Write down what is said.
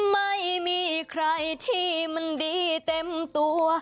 ไม่มีใครที่มันดีเต็มตัว